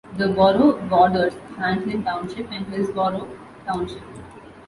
The borough borders Franklin Township and Hillsborough Township.